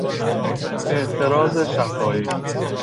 اعتراض شفاهی